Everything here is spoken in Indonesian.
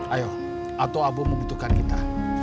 ayo atau abu membutuhkan kita